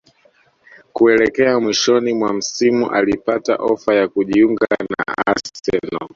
kuelekea mwishoni mwa msimu alipata ofa ya kujiunga na Arsenal